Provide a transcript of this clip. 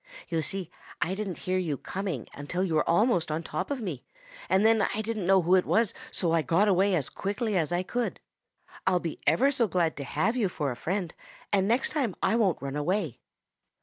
"You see, I didn't hear you coming until you were almost on top of me, and then I didn't know who it was so I got away as quickly as I could. I'll be ever so glad to have you for a friend and next time I won't run away."